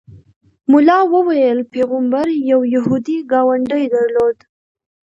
ملا ویل پیغمبر یو یهودي ګاونډی درلود.